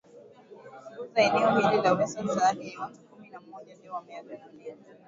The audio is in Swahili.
goza eneo hilo la western sahara ni watu kumi na moja ndio wameaga dunia